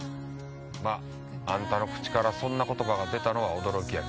まぁあんたの口からそんな言葉が出たのは驚きやけど。